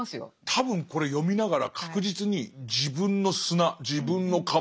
多分これ読みながら確実に自分の砂自分の壁